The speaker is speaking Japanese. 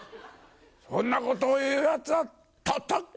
そんなことを言うヤツはたたっ切れ！